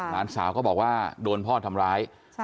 หลานสาวก็บอกว่าโดนพ่อทำร้าย